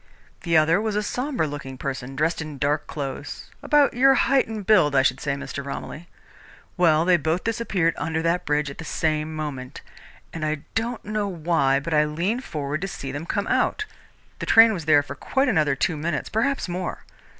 The other was a sombre looking person, dressed in dark clothes, about your height and build, I should say, Mr. Romilly. Well, they both disappeared under that bridge at the same moment, and I don't know why, but I leaned forward to see them come out. The train was there for quite another two minutes, perhaps more.